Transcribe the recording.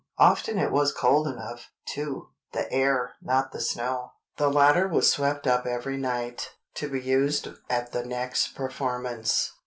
Often it was cold enough, too. The air, not the snow. The latter was swept up every night, to be used at the next performance.